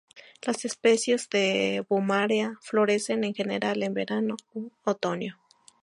Las especies de "Bomarea" florecen en general en verano u otoño.